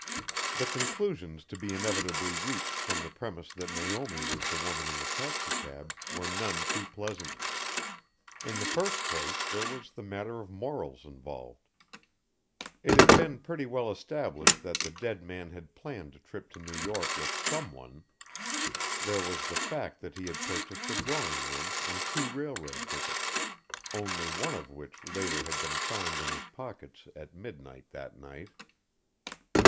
The conclusions to be inevitably reached from the premise that Naomi was the woman in the taxicab were none too pleasant. In the first place there was the matter of morals involved. It had been pretty well established that the dead man had planned a trip to New York with someone: there was the fact that he had purchased a drawing room and two railroad tickets only one of which later had been found in his pockets at midnight that night.